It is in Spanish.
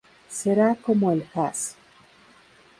Será como el jazz.